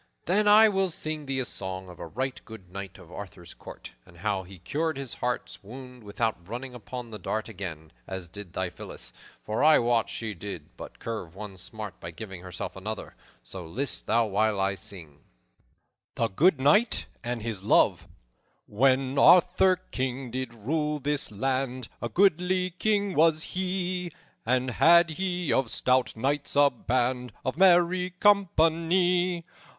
"Then I will sing thee a song of a right good knight of Arthur's court, and how he cured his heart's wound without running upon the dart again, as did thy Phillis; for I wot she did but cure one smart by giving herself another. So, list thou while I sing:" THE GOOD KNIGHT AND HIS LOVE "_When Arthur, King, did rule this land, A goodly king was he, And had he of stout knights a band Of merry company.